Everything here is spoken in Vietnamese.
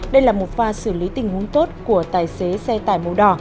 đây là một pha xử lý tình huống tốt của tài xế xe tải màu đỏ